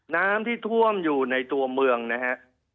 น้ำที่ท่วมอยู่ในตัวเมืองนะฮะ